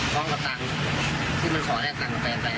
ขอปัญหาแล้วมันก็ออกจะวัดไปเลย